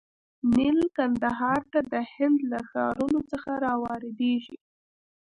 نیل کندهار ته د هند له ښارونو څخه واردیږي.